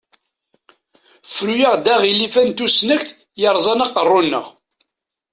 Fru-aɣ-d aɣilif-a n tusnakt yerẓan aqerruy-nneɣ.